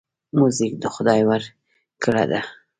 موزیک د خدای ورکړه ده.